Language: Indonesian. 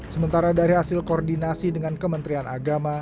sementara dari hasil koordinasi dengan kementerian agama